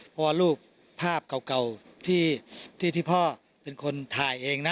เพราะว่ารูปภาพเก่าที่พ่อเป็นคนถ่ายเองนะ